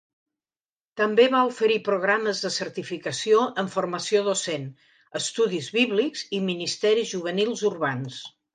També va oferir programes de certificació en formació docent, estudis bíblics i ministeris juvenils urbans.